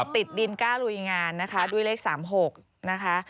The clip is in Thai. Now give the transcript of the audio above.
ติดดินกล้าลุยงานนะคะด้วยเลข๓๖นะคะ